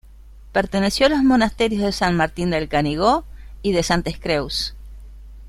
Perteneció a los monasterios de San Martín del Canigó y de Santes Creus.